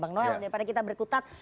bang noel daripada kita berkutat